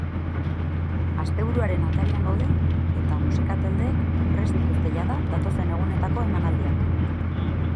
Asteburuaren atarian gaude eta musika taldeek prest dituzte jada datozen egunetako emanaldiak.